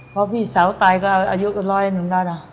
เดี๋ยวตายก็อายุอันร้อยหนึ่งแล้วนะ